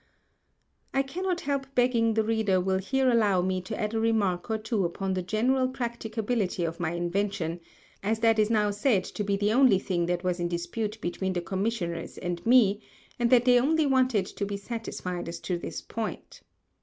I cannot help begging the Reader will here allow me to add a Remark or two upon the general Practicability of my Invention, as that is now said to be the only Thing that was in Dispute between the Commissioners and me, and that they only wanted to be satisfied as to this Point.